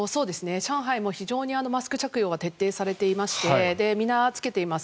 上海も非常にマスク着用が徹底されていまして皆、着けています。